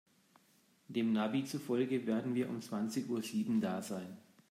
Dem Navi zufolge werden wir um zwanzig Uhr sieben da sein.